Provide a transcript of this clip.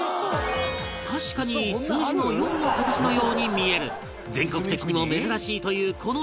確かに数字の４の形のように見える全国的にも珍しいというこの信号機